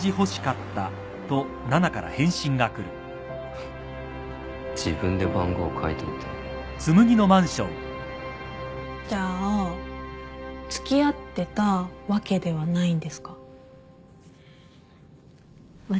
フッ自分で番号書いといて。じゃあ付き合ってたわけではないんですか？